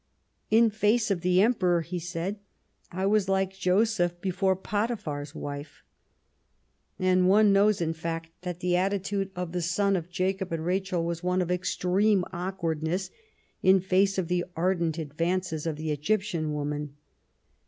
" In face of the Emperor," he said, " I was like Joseph before Potiphar's wife." And one knows, in fact, that the attitude of the son of Jacob and Rachel was one of extreme awkwardness in face of the ardent advances of the Egyptian woman.